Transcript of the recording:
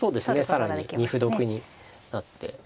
更に２歩得になって。